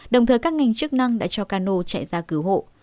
đồng thời các ngành chức năng đã cho cano chạy ra cứu hộ